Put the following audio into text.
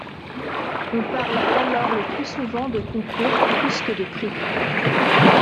On parle alors le plus souvent de concours plus que de prix.